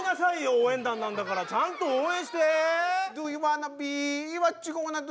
応援団なんだからちゃんと応援して。